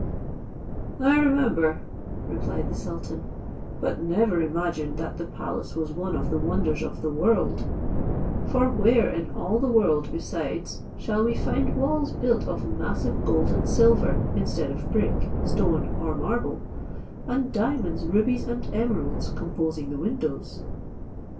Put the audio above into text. "I remember," replied the sultan, "but never imagined that the palace was one of the wonders of the world; for where in all the world besides shall we find walls built of massive gold and silver, instead of brick, stone, or marble; and diamonds, rubies, and emeralds composing the windows!"